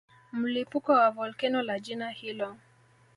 Mlipuko wa volkeno la jina hilo